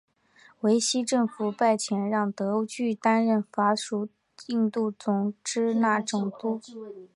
维希政府派遣让德句担任法属印度支那总督。